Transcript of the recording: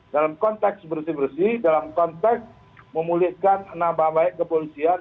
dalam konteks bersih bersih dalam konteks memulihkan nama baik kepolisian